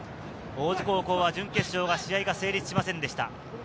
大津高校は準決勝が試合が成立しませんでした。